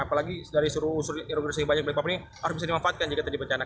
apalagi dari suruh suruh yang banyak balikpapan ini harus bisa dimanfaatkan jika tadi bencana